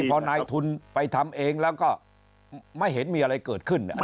พอนายทุนไปทำเองแล้วก็ไม่เห็นมีอะไรเกิดขึ้น